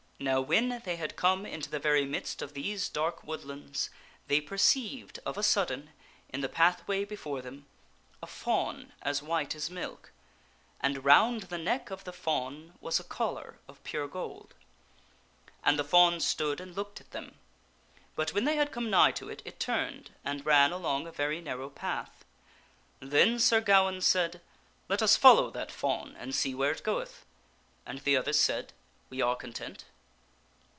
Now when they had come into the very midst of these dark woodlands, they perceived of a sudden, in the pathway before them, a fawn as white They behold a as m ^' And round the neck of the fawn was a collar of white fawn in pure gold. And the fawn stood and looked at them, but when they had come nigh to it, it turned and ran along a very narrow path. Then Sir Gawaine said, " Let us follow that fawn and see where it goeth." And the others said, " We are content."